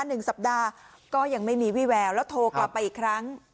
หนึ่งสัปดาห์ก็ยังไม่มีวี่แววแล้วโทรกลับไปอีกครั้ง